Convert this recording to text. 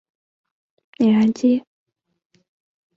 此时通用汽车的第一款产品已经进入了货运内燃机车市场。